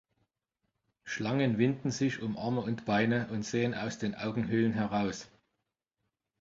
Schlangen winden sich um Arme und Beine und sehen aus den Augenhöhlen heraus.